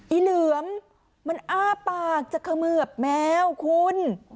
เหลือมมันอ้าปากจะเขมือบแมวคุณ